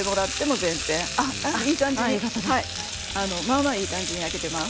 お肉は、まあまあいい感じに焼けてます。